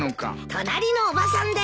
隣のおばさんだよ。